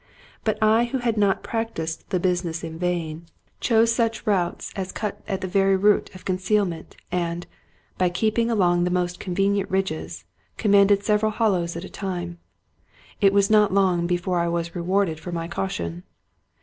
But I who had not practiced the business in vain, chose such 196 Robert Louis Stevenson routes as cut at the very root of concealment, and, by keep ing along the most convenient ridges, commanded several hollows at a time. It was not long before I was rewarded for my caution.